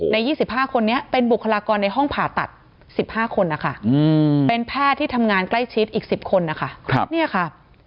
ใน๒๕คนนี้เป็นบุคลากรในห้องผ่าตัด๑๕คนนะคะเป็นแพทย์ที่ทำงานใกล้ชิดอีก๑๐คนนะคะ